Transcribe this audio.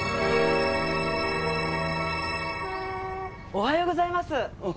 おはようございますああ